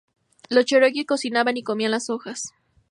Los Cheroqui cocinaban y comían las hojas.